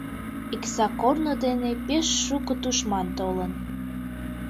Икса корно дене пеш шуко тушман толын.